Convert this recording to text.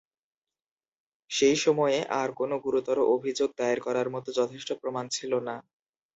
সেই সময়ে আর কোনো গুরুতর অভিযোগ দায়ের করার মতো যথেষ্ট প্রমাণ ছিল না।